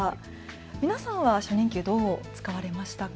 皆さんは初任給どう使われましたか？